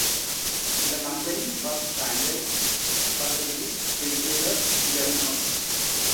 The company's first franchisee was the Greek retailer Germanos.